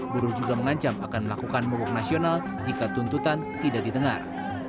buruh juga mengancam akan melakukan mogok nasional jika tuntutan tidak didengar